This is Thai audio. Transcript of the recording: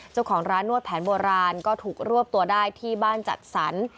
เจ้าของร้านนวดแผนโบราณก็ถูกรวบตัวได้ที่บ้านจัดสรร